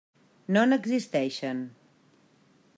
No n'existeixen.